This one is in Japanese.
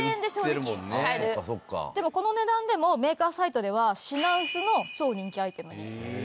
でもこの値段でもメーカーサイトでは品薄の超人気アイテム。